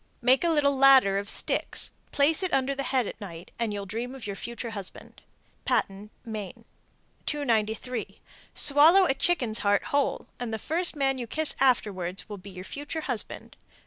Make a little ladder of sticks, place it under the head at night, and you'll dream of your future husband. Patten, Me. 295. Swallow a chicken's heart whole, and the first man you kiss afterwards will be your future husband.